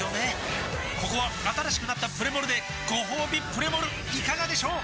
ここは新しくなったプレモルでごほうびプレモルいかがでしょう？